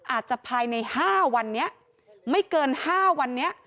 อาจจะภายใน๕วันนี้ไม่เกิน๕วันนี้